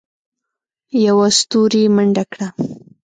یوه ستوري منډه کړه.